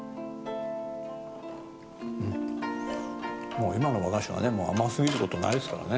もう今の和菓子はね甘すぎる事ないですからね。